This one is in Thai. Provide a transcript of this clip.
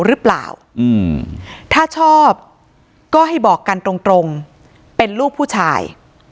หรือเปล่าถ้าชอบก็ให้บอกกันตรงเป็นลูกผู้ชาย